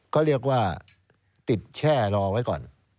ก็เรียกว่าติดแช่รอไว้ก่อน